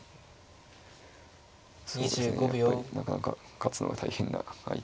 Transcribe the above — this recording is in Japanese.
そうですねやっぱりなかなか勝つのは大変な相手ですね